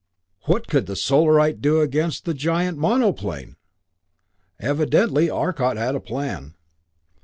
What could the Solarite do against the giant monoplane? Evidently Arcot had a plan.